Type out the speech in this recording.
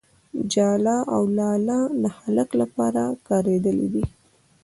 ، ژاله او لاله د هلک لپاره کارېدلي دي.